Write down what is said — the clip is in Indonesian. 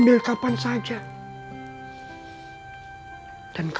di tingkat tingkat dimata mata